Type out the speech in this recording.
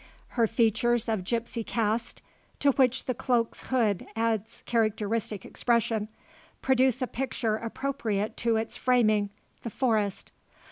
Her features of gipsy cast to which the cloak's hood adds characteristic expression produce a picture appropriate to its framing the forest.